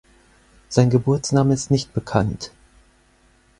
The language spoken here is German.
Sein Geburtsname ist nicht bekannt.